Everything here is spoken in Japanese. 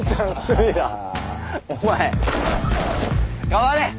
代われ。